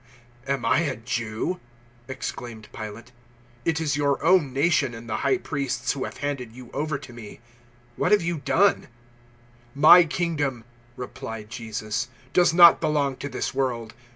018:035 "Am I a Jew?" exclaimed Pilate; "it is your own nation and the High Priests who have handed you over to me. What have you done?" 018:036 "My kingdom," replied Jesus, "does not belong to this world.